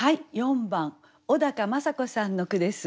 ４番小正子さんの句です。